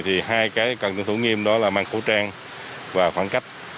thì hai cái cần tuân thủ nghiêm đó là mang khẩu trang và khoảng cách